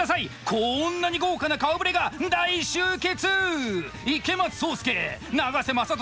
こんなに豪華な顔ぶれが大集結！